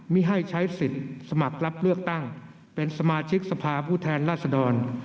ไม่ให้ใช้สิทธิ์สมัครรับเลือกตั้งเป็นสมาชิกสภาผู้แทนราษดร